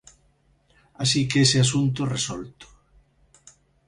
Así que ese asunto resolto.